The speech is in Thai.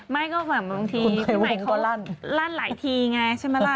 ไม่ก็แบบบางทีพี่ใหม่เขาลั่นหลายทีไงใช่ไหมล่ะ